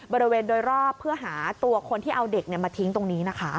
บริเวณโดยรอบเพื่อหาตัวคนที่เอาเด็กมาทิ้งตรงนี้นะคะ